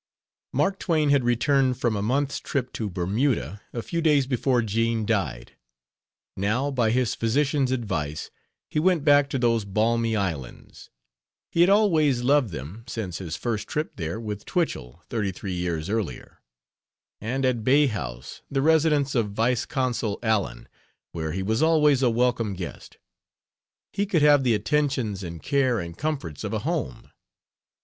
Mark Twain had returned from a month's trip to Bermuda a few days before Jean died. Now, by his physician's advice, he went back to those balmy islands. He had always loved them, since his first trip there with Twichell thirty three years earlier, and at "Bay House," the residence of Vice Consul Allen, where he was always a welcome guest, he could have the attentions and care and comforts of a home.